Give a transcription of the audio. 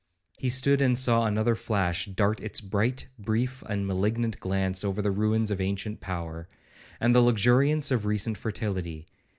He stood and saw another flash dart its bright, brief, and malignant glance over the ruins of ancient power, and the luxuriance of recent fertility.